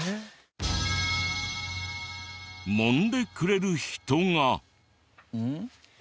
もんでくれる人が。